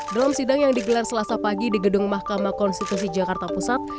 dalam sidang yang digelar selasa pagi di gedung mahkamah konstitusi jakarta pusat